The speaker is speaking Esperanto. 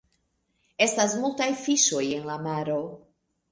Estas multaj fiŝoj en la maro.